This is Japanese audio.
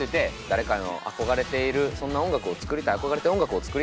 誰かの憧れているそんな音楽を作りたい憧れている音楽を作りたい。